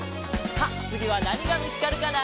さあつぎはなにがみつかるかな？